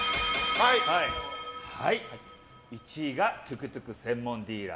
１位がトゥクトゥク専門ディーラー。